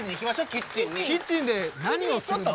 キッチンで何をするの？